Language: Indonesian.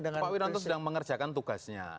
dengan presiden pak wiranto sedang mengerjakan tugasnya